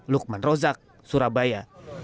lukman rozak surabaya